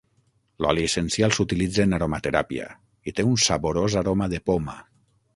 L'oli essencial s'utilitza en aromateràpia i té un saborós aroma de poma.